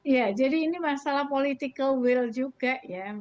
ya jadi ini masalah political will juga ya